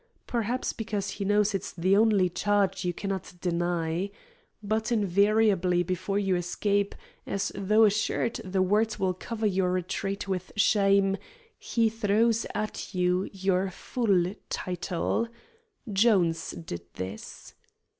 Perhaps because he knows it is the one charge you cannot deny. But invariably before you escape, as though assured the words will cover your retreat with shame, he throws at you your full title. Jones did this.